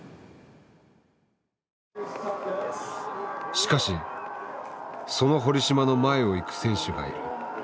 しかしその堀島の前をいく選手がいる。